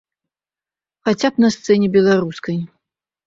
Хаця б на сцэне беларускай.